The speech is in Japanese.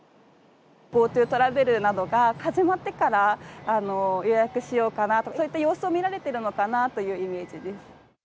ＧｏＴｏトラベルなどが始まってから予約しようかなと、そういった様子を見られているのかなというイメージです。